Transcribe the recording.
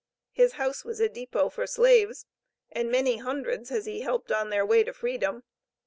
His house was a depot for fugitives, and many hundreds has he helped on their way to freedom.